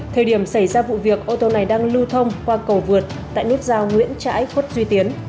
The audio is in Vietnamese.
thời điểm xảy ra vụ việc ô tô này đang lưu thông qua cầu vượt tại nút giao nguyễn trãi khuất duy tiến